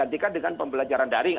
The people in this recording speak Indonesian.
dikat dengan pembelajaran daring